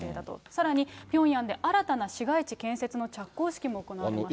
さらにピョンヤンで新たな市街地建設の着工式も行われました。